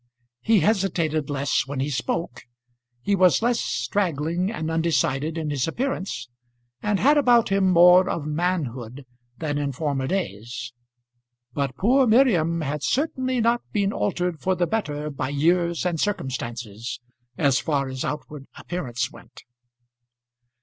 He hesitated less when he spoke, he was less straggling and undecided in his appearance, and had about him more of manhood than in former days. But poor Miriam had certainly not been altered for the better by years and circumstances as far as outward appearance went.